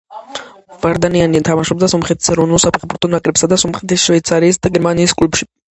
ვარდანიანი თამაშობდა სომხეთის ეროვნულ საფეხბურთო ნაკრებსა და სომხეთის, შვეიცარიის და გერმანიის კლუბებში.